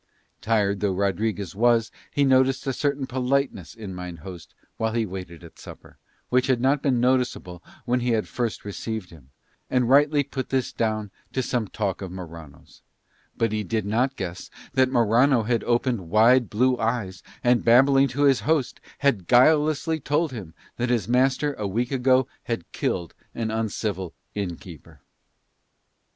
Tired though Rodriguez was he noticed a certain politeness in mine host while he waited at supper, which had not been noticeable when he had first received him, and rightly put this down to some talk of Morano's; but he did not guess that Morano had opened wide blue eyes and, babbling to his host, had guilelessly told him that his master a week ago had killed an uncivil inn keeper.